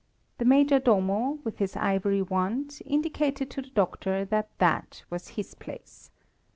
The Major Domo, with his ivory wand, indicated to the doctor that that was his place.